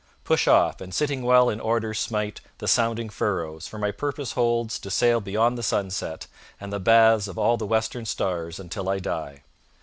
Push off, and sitting well in order smite The sounding furrows; for my purpose holds To sail beyond the sunset, and the baths Of all the western stars until I die.